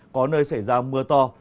có nơi xảy ra mưa to